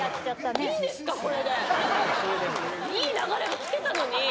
いい流れできてたのに。